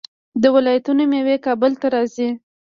د ولایتونو میوې کابل ته راځي.